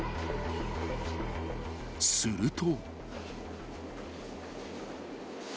［すると］